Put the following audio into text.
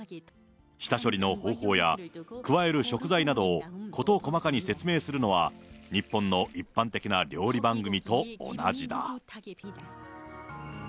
下処理の方法や加える食材などをこと細かに説明するのは日本の一般的な料理番組と同じだ。